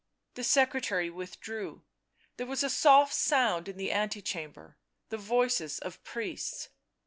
The secretary withdrew; there was a soft sound in the ante chamber, the voices of priests.